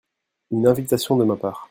Une invitation de ma part.